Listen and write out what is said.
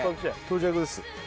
到着です